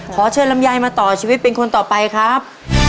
ขอเชิญลำไยมาต่อชีวิตเป็นคนต่อไปครับ